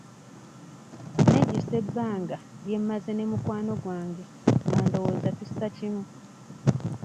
Nejjusa ebbanga lye mmaze ne mukwano gwange nga ndowooza tussa kimu.